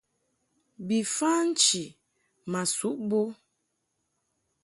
Bi fa nchi ma suʼ bo.